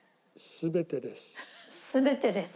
全てです。